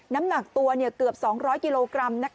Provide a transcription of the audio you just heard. น้ำหนักตัวเกือบ๒๐๐กิโลกรัม